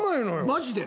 マジで。